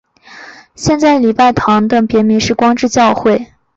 现在礼拜堂的别名是光之教会。